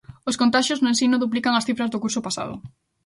Os contaxios no ensino duplican as cifras do curso pasado.